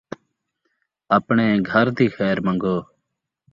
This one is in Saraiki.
آپݨے گھر دی خیر منگو